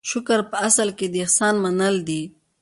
شکر په اصل کې د احسان منل دي.